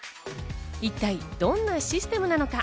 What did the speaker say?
一体どんなシステムなのか？